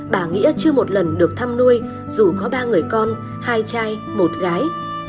bà nghĩa chưa một lần được thăm nuôi dù có ba người con hai chai một gái